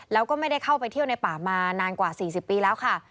แล้วก็ไม่ได้เข้าไปเที่ยวในป่ามานานกว่า๔๐ปีแล้วค่ะ